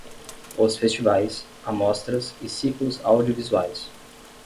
Os festivais, amostras e ciclos audiovisuais.